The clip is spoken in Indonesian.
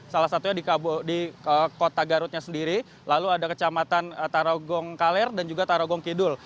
salah satunya di kota garutnya sendiri lalu ada kecamatan tarogong kaler dan juga tarogong kidul